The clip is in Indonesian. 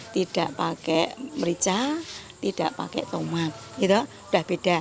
tidak pakai merica tidak pakai tomat gitu udah beda